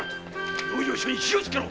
養生所に火をつけろ！